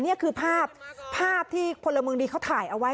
นี่คือภาพภาพที่พลเมืองดีเขาถ่ายเอาไว้